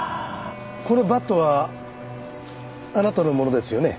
このバットはあなたのものですよね？